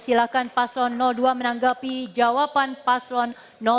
silahkan paslon dua menanggapi jawaban paslon satu